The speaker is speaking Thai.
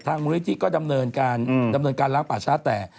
มูลนิธิก็ดำเนินการดำเนินการล้างป่าช้าแต่